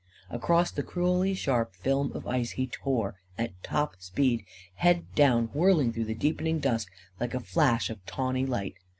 Across the cruelly sharp film of ice he tore, at top speed, head down; whirling through the deepening dusk like a flash of tawny light.